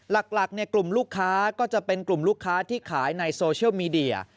หลักกลุ่มลูกค้าก็จะเป็นกลุ่มลูกค้าที่ขายในโซเชียลมีเดีย